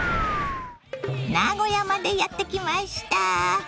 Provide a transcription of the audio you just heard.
名古屋までやって来ました。